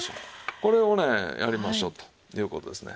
これをねやりましょうという事ですね。